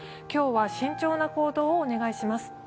今日は慎重な行動をお願いします。